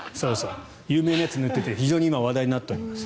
有名なやつを塗ってて非常に今話題になっております。